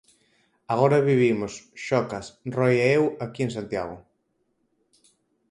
Agora vivimos Xocas, Roi e eu aquí en Santiago.